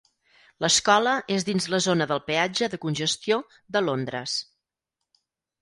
L'escola és dins la zona del Peatge de congestió de Londres.